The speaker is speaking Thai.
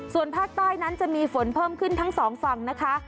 ส่วนภาคใต้นั้นจะมีฝนเพิ่มขึ้นทั้งสองฝั่งนะคะ